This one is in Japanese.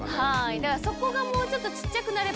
だからそこがもうちょっと。